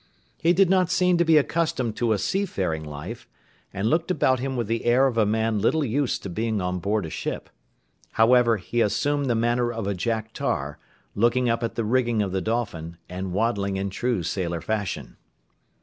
He did not seem to be accustomed to a seafaring life, and looked about him with the air of a man little used to being on board a ship; however, he assumed the manner of a Jack tar, looking up at the rigging of the Dolphin, and waddling in true sailor fashion.